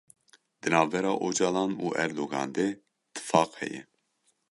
Di navbera Ocalan û Erdogan de tifaq heye.